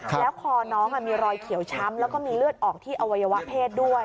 แล้วคอน้องมีรอยเขียวช้ำแล้วก็มีเลือดออกที่อวัยวะเพศด้วย